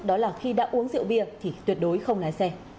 đó là khi đã uống rượu bia thì tuyệt đối không lái xe